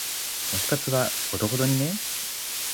推し活はほどほどにね。